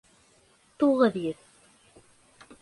Туғыҙ йөҙ